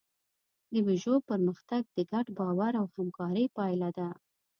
د پيژو پرمختګ د ګډ باور او همکارۍ پایله ده.